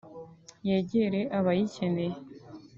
yegere abayikeneye”